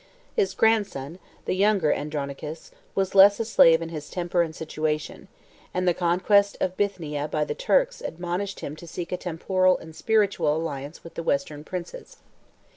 His grandson, the younger Andronicus, was less a slave in his temper and situation; and the conquest of Bithynia by the Turks admonished him to seek a temporal and spiritual alliance with the Western princes.